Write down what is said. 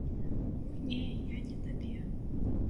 Ой, не, я не табе.